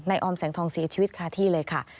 ออมแสงทองเสียชีวิตคาที่เลยค่ะ